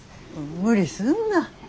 無理すんな。